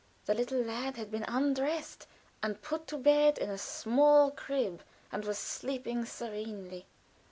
The little lad had been undressed and put to bed in a small crib, and was sleeping serenely.